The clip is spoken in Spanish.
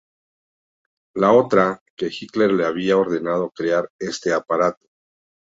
La otra, que Hitler le había ordenado crear este aparato.